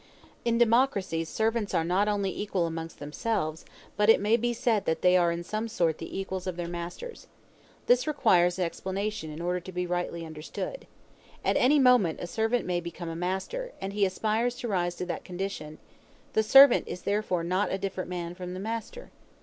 In democracies servants are not only equal amongst themselves, but it may be said that they are in some sort the equals of their masters. This requires explanation in order to be rightly understood. At any moment a servant may become a master, and he aspires to rise to that condition: the servant is therefore not a different man from the master.